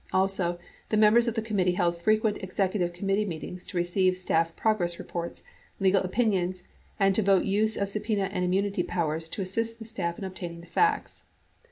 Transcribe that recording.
Also, the members of the committee held frequent execu tive committee meetings to receive staff progress reports, legal opin ions and to vote use of subpena and immunity powers to assist the 7 2 Hearings 539. XXIX staff in obtaining the facts.